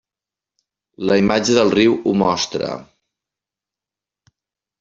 La imatge del riu ho mostra.